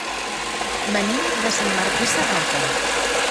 Venim de Sant Martí Sarroca.